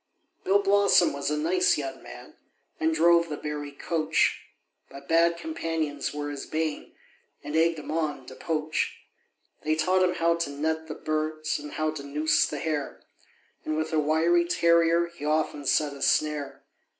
Bill Blossom was a nice young man, And drove the Bury coach; But bad companions were his bane, And egg'd him on to poach. They taught him how to net the birds, And how to noose the hare; And with a wiry terrier, He often set a snare.